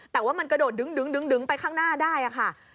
แต่ว่ามันกระโดดดึงไปข้างหน้าได้ค่ะ